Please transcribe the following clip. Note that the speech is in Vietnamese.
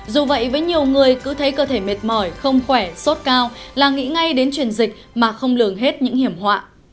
dù vậy với nhiều người cứ thấy cơ thể mệt mỏi không khỏe sốt cao là nghĩ ngay đến truyền dịch mà không lường hết những hiểm họa